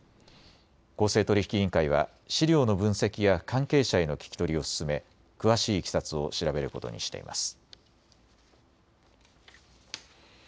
公正取引委員会は資料の分析や関係者への聞き取りを進め詳しいいきさつを調べることにしています。